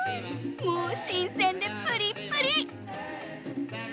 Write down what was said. もう新鮮でプリップリ！